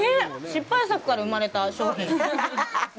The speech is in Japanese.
失敗作から生まれた商品！？